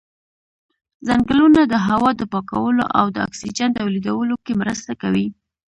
ځنګلونه د هوا د پاکولو او د اکسیجن تولیدولو کې مرسته کوي.